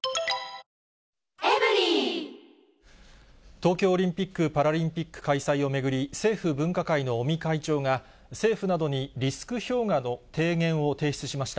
東京オリンピック・パラリンピック開催を巡り、政府分科会の尾身会長が、政府などにリスク評価の提言を提出しました。